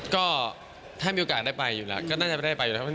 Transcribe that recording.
ก็ถ้ามีโอกาสได้ไปอยู่แล้วก็น่าจะไม่ได้ไปอยู่แล้ว